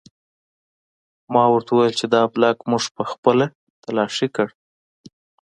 ما ورته وویل چې دا بلاک موږ پخپله تلاشي کړ